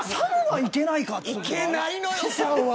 いけないのよ、３は。